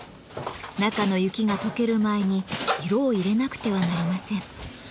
中の雪がとける前に色を入れなくてはなりません。